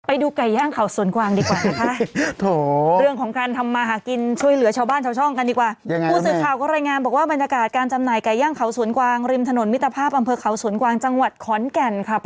ไปดูไก่ย่างเขาสวนกวางดีกว่านะคะ